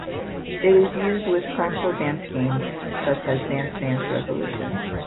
It is used with console dance games such as Dance Dance Revolution.